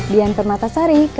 bersih dan cantik